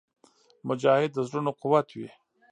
مجاهد د زړونو قوت وي.